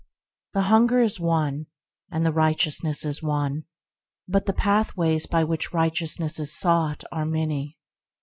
The hun ger is one, and the righteousness is one, but the pathways by which righteousness is sought are many.